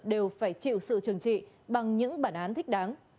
đều phải chịu sự trừng trị bằng những bản án thích đáng